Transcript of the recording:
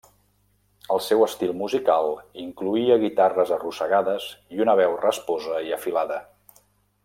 El seu estil musical incloïa guitarres arrossegades i una veu rasposa i afilada.